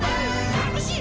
たのしい